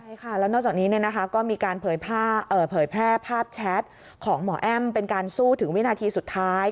ใช่ค่ะแล้วนอกจากนี้ก็มีการเผยแพร่ภาพแชทของหมอแอ้มเป็นการสู้ถึงวินาทีสุดท้าย